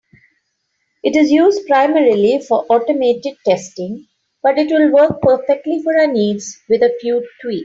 It is used primarily for automated testing, but it will work perfectly for our needs, with a few tweaks.